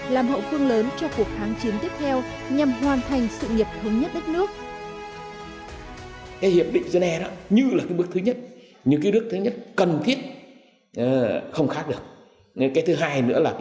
làm hậu phương lớn cho cuộc kháng chiến tiếp theo nhằm hoàn thành sự nghiệp hướng nhất đất nước